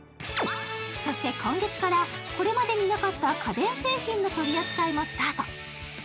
そして今月から、これまでになかった家電製品の取り扱いもスタート。